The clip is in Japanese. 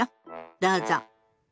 どうぞ。